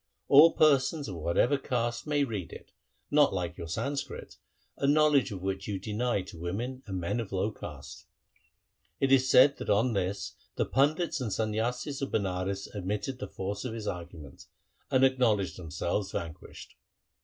All persons of whatever caste may read it, not like your Sanskrit, a knowledge of which you deny to women and men of low caste.' It is said that on this the pandits and Sanyasis of Banaras admitted the force of his argument and acknowledged them selves vanquished.